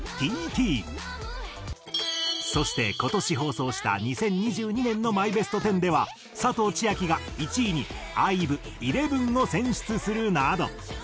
そして今年放送した２０２２年のマイベスト１０では佐藤千亜妃が１位にＩＶＥ『ＥＬＥＶＥＮ』を選出するなど。